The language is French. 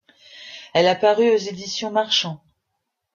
Elle a paru aux éditions Marchant.